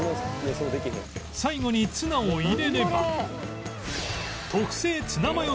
最後にツナを入れれば